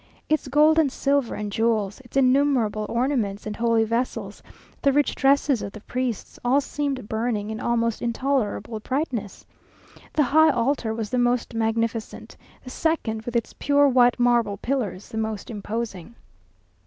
Its gold and silver and jewels, its innumerable ornaments and holy vessels, the rich dresses of the priests, all seemed burning in almost intolerable brightness. The high altar was the most magnificent; the second, with its pure white marble pillars, the most imposing.